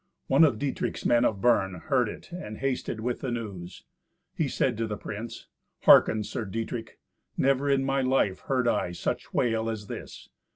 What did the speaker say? One of Dietrich's men of Bern heard it, and hasted with the news. He said to the prince, "Hearken, Sir Dietrich. Never in my life heard I such wail as this.